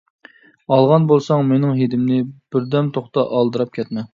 ئالغان بولساڭ مېنىڭ ھىدىمنى، بىردەم توختا ئالدىراپ كەتمە.